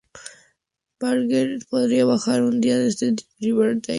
Barker podría bajar cada día desde Riverside a participar en el proceso de escritura.